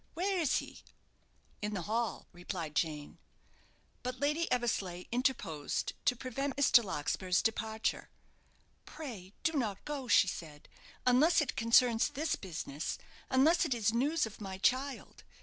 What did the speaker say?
Where is he?" "In the hall," replied Jane. But Lady Eversleigh interposed to prevent Mr. Larkspur's departure. "Pray do not go," she said, "unless it concerns this business, unless it is news of my child.